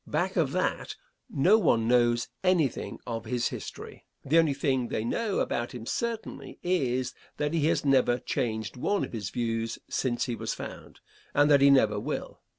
Back of that no one knows anything of his history. The only thing they know about him certainly, is, that he has never changed one of his views since he was found, and that he never will.